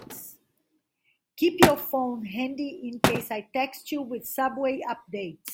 Keep your phone handy in case I text you with subway updates.